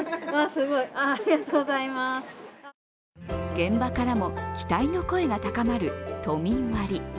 現場からも期待の声が高まる都民割。